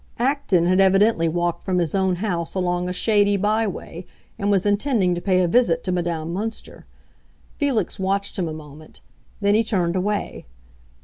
Acton had evidently walked from his own house along a shady by way and was intending to pay a visit to Madame Münster. Felix watched him a moment; then he turned away.